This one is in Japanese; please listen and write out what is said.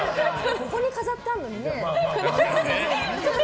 ここに飾ってあるのにね。